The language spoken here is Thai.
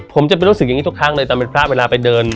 ผมจะไปรู้สึกอย่างนี้ทุกครั้งเลยตอนเป็นพระเวลาไปเดิน